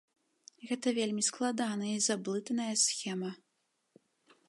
Гэта вельмі складаная і заблытаная схема.